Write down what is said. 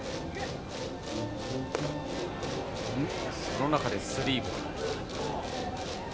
その中でスリーボール。